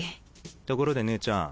ところで姉ちゃん。